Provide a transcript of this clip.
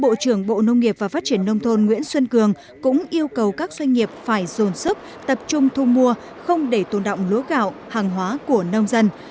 bộ trưởng bộ nông nghiệp và phát triển nông thôn nguyễn xuân cường cũng yêu cầu các doanh nghiệp phải dồn sức tập trung thu mua không để tồn động lúa gạo hàng hóa của nông dân